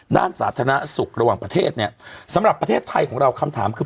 ด้านสาธารณสุขระหว่างประเทศเนี่ยสำหรับประเทศไทยของเราคำถามคือ